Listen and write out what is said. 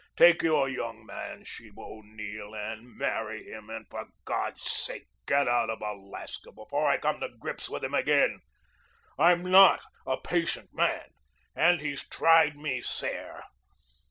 Take your young man, Sheba O'Neill, and marry him, and for God's sake, get him out of Alaska before I come to grips with him again. I'm not a patient man, and he's tried me sair.